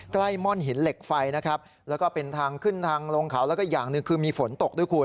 ม่อนหินเหล็กไฟนะครับแล้วก็เป็นทางขึ้นทางลงเขาแล้วก็อย่างหนึ่งคือมีฝนตกด้วยคุณ